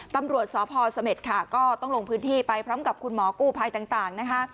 ตำรวจสพเสม็ดค่ะก็ต้องลงพื้นที่ไปพร้อมกับคุณหมอกู้ภัยต่างนะคะ